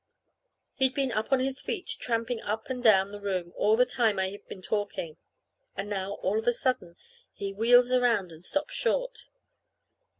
He'd been up on his feet, tramping up and down the room all the time I'd been talking; and now, all of a sudden, he wheels around and stops short.